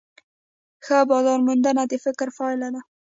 ښه بازارموندنه د فکر پایله ده.